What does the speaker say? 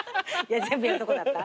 全部やるとこだった？